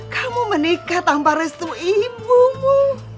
kamu menikah tanpa restu ibumu